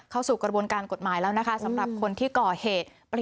เข้าสู่กระบวนการกฎหมายแล้วนะคะสำหรับคนที่ก่อเหตุ